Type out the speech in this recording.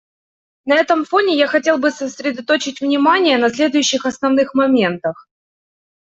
На этом фоне я хотел бы сосредоточить внимание на следующих основных моментах.